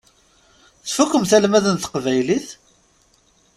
Tfukkemt almad n teqbaylit?